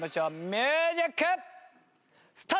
ミュージックスタート！